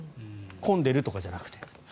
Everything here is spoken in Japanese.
混んでるとかじゃなくて。